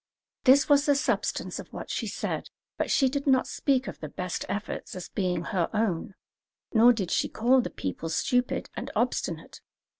This was the substance of what she said; but she did not speak of the best efforts as being her own, nor did she call the people stupid and obstinate.